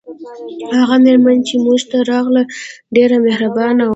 هغه میرمن چې موږ ته راغله ډیره مهربانه وه